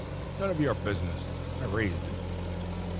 "None of your business. I raised it."